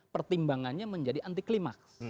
pertimbangannya menjadi anti klimaks